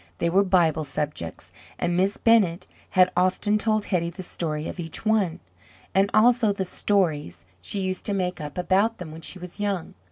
They were Bible subjects, and Miss Bennett had often told Hetty the story of each one, and also the stories she used to make up about them when she was young.